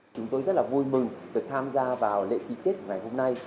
chúng tôi rất là vui mừng được tham gia vào lễ ký kết ngày hôm nay